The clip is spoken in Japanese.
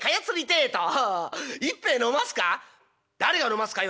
「誰が飲ますかよ！」。